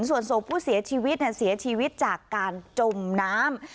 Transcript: ส่วนศพผู้เสียชีวิตเสียชีวิตจากการจมน้ำ